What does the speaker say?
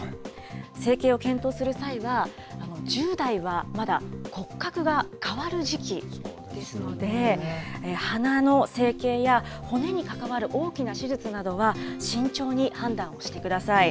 整形を検討する際は、１０代はまだ骨格が変わる時期ですので、鼻の整形や、骨に関わる大きな手術などは慎重に判断をしてください。